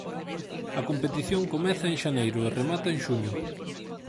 A competición comeza en xaneiro e remata en xuño.